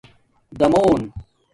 دَامُݸن